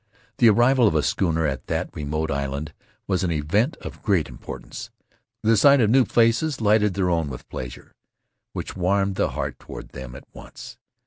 The arrival of a schooner at that remote island was an event of great importance; the sight of new faces lighted their own with pleasure, which warmed the heart toward them at once.